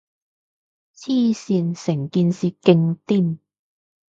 黐線，成件事勁癲